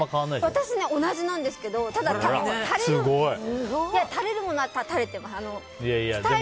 私、同じなんですけど垂れるものは垂れてます。